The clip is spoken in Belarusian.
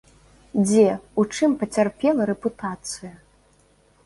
Дзе, у чым пацярпела рэпутацыя?